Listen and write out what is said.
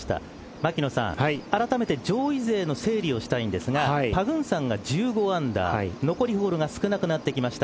牧野さん、改めて上位勢の整理をしたいんですがパグンサンが１５アンダー残りホールが少なくなってきました。